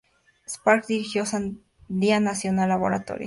Sparks dirigió Sandia National Laboratories.